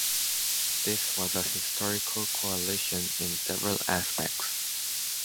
This was a historical coalition in several aspects.